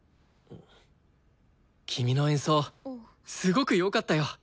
君の演奏すごくよかったよ。